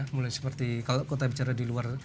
mulai seperti kalau kita bicara di luar